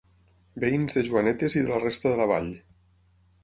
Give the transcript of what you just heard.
Veïns de Joanetes i de la resta de la Vall.